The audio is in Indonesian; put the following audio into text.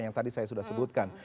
yang tadi saya sudah sebutkan